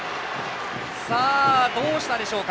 どうしたでしょうか。